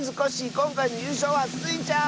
こんかいのゆうしょうはスイちゃん！